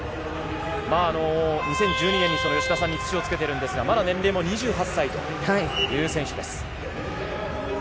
２０１２年に吉田さんに土をつけてるんですが、まだ年齢も２８歳という選手です。